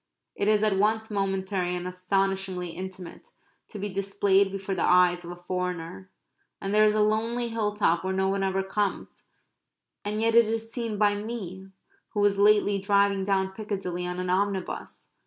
It is at once momentary and astonishingly intimate to be displayed before the eyes of a foreigner. And there is a lonely hill top where no one ever comes, and yet it is seen by me who was lately driving down Piccadilly on an omnibus.